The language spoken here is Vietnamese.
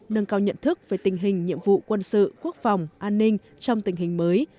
nâng cao nhận thức về tình hình nhiệm vụ quân sự quốc phòng an ninh trong tình hình mới